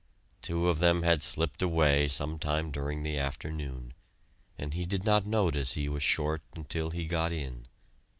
Two of them had slipped away some time during the afternoon, and he did not notice he was short until he got in.